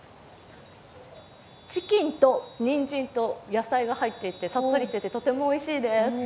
チキンとにんじんと野菜が入っていてさっぱりしていて、とてもおいしいです。